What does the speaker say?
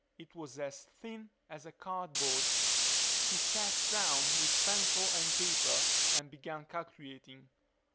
It was as thin as cardboard. He sat down with pencil and paper and began calculating.